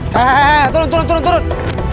hehehe turun turun turun